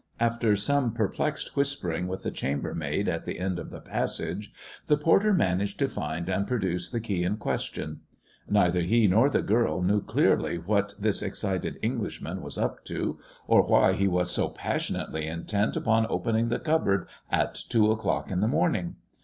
After some perplexed whispering with the chambermaid at the end of the passage, the porter managed to find and produce the key in question. Neither he nor the girl knew clearly what this excited Englishman was up to, or why he was so passionately intent upon opening the cupboard at two o'clock in the morning.